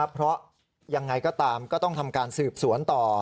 เพราะยังไงก็ตามก็ต้องทำการสืบสวนต่อ